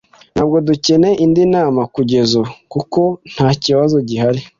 Ntabwo dukeneye indi nama kugeza ubu, kuko ntakibazo gihari